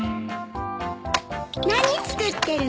何作ってるの？